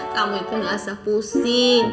kamu itu enggak sepusing